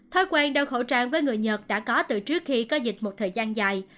thói quen đeo khẩu trang với người nhật đã có từ trước khi có dịch một thời gian dài